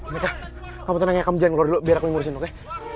meka kamu tenang ya kamu jangan keluar dulu biar aku ngurusin oke